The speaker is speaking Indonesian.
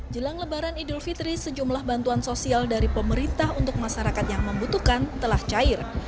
jelang lebaran idul fitri sejumlah bantuan sosial dari pemerintah untuk masyarakat yang membutuhkan telah cair